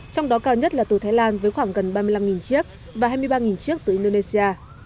trong đó cao nhất là từ thái lan với khoảng gần ba mươi năm chiếc và hai mươi ba chiếc từ indonesia